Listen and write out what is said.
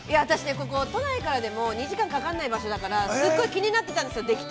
◆ここ、都内からでも、２時間かかんない場所だからすごい気になってたんですよ、できて。